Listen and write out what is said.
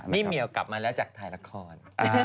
นี่เมียวกลับมาแล้วจากถ่ายละคร